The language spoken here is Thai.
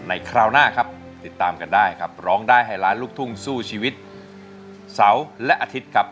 คราวหน้าครับติดตามกันได้ครับร้องได้ให้ล้านลูกทุ่งสู้ชีวิตเสาร์และอาทิตย์ครับ